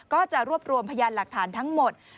ก็จะรวบรวมพยานหลักฐานทั้งหมด